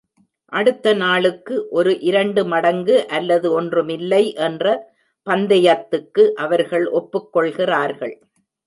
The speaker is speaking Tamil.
அடுத்த நாளுக்கு ஒரு இரண்டு மடங்கு அல்லது ஒன்றுமில்லை என்ற பந்தயத்துக்கு அவர்கள் ஒப்புக்கொள்கிறார்கள்.